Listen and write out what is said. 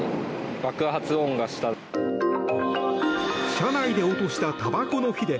車内で落としたたばこの火で